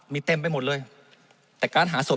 มันตรวจหาได้ระยะไกลตั้ง๗๐๐เมตรครับ